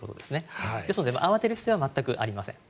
ですから慌てる必要は全くありません。